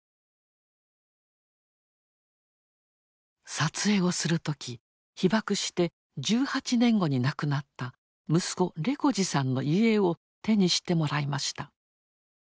撮影をする時被ばくして１８年後に亡くなった息子レコジさんの遺影を手にしてもらいました。